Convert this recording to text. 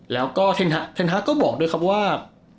แล้วก็เทนฮาร์ก็บอกด้วยครับว่า